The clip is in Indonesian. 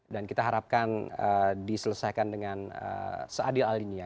dan kita harapkan diselesaikan dengan seadil alininya